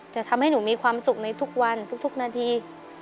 จะทำให้หนูมีความสุขในทุกวันทุกนาที